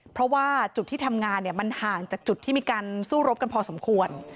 เพราะว่าจุดที่ทำงานมันห่างจากจุดที่มีการสู้รบกันพอสมควร